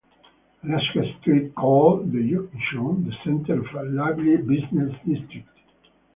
Alaska Street, called "The Junction", the center of a lively business district.